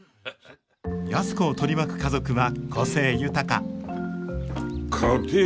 安子を取り巻く家族は個性豊かかてえ